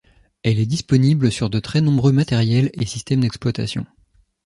Elle est disponible sur de très nombreux matériels et systèmes d'exploitation.